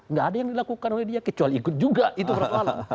nggak ada yang dilakukan oleh dia kecuali ikut juga itu berapa lama